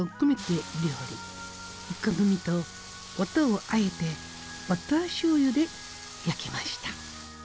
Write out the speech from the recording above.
イカの身とワタをあえてバターしょうゆで焼きました。